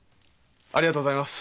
ありがとうございます。